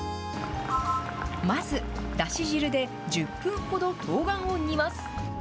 まず、だし汁で１０分ほどとうがんを煮ます。